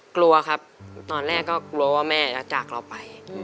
กลัวครับตอนแรกก็กลัวว่าแม่จะจากเราไป